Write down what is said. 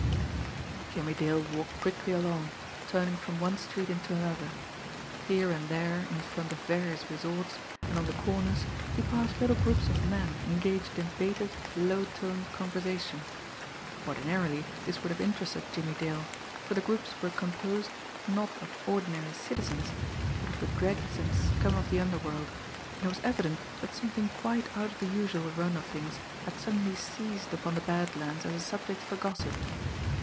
Jimmie Dale walked quickly along, turning from one street into another. Here and there, in front of various resorts, and on the corners, he passed little groups of men engaged in bated, low toned conversation. Ordinarily this would have interested Jimmie Dale, for the groups were composed, not of ordinary citizens, but of the dregs and scum of the underworld, and it was evident that something quite out of the usual run of things had suddenly seized upon the Bad Lands as a subject for gossip.